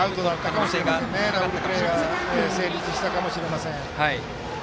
ダブルプレーが成立したかもしれません。